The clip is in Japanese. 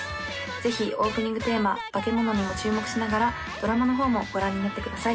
ぜひオープニングテーマ「バケモノ。」にも注目しながらドラマの方もご覧になってください